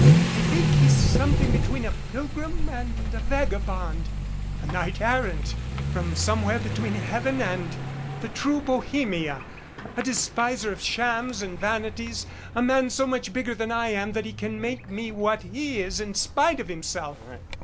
I think he's something between a pilgrim and a vagabond, a knight errant from somewhere between Heaven and the true Bohemia, a despiser of shams and vanities, a man so much bigger than I am that he can make me what he is in spite of himself."